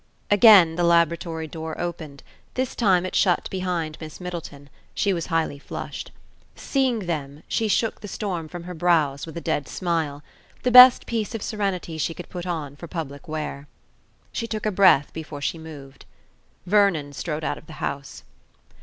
Again the laboratory door opened. This time it shut behind Miss Middleton. She was highly flushed. Seeing them, she shook the storm from her brows, with a dead smile; the best piece of serenity she could put on for public wear. She took a breath before she moved. Vernon strode out of the house.